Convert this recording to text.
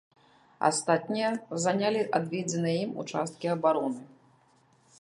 Астатнія занялі адведзеныя ім участкі абароны.